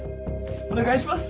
お願いします！